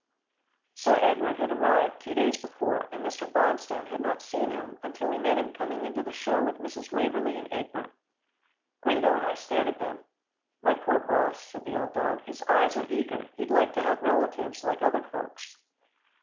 Sir Edward had arrived two days before, and Mr. Bonstone had not seen him until he met him coming into the show with Mrs. Waverlee and Egbert. Gringo and I stared at them. "My poor boss," said the old dog, "his eyes are eager. He'd like to have relatives like other folks."